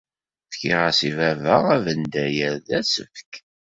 Fkiɣ-as i baba abendayer d asefk.